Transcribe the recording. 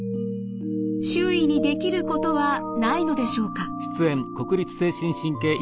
周囲にできることはないのでしょうか。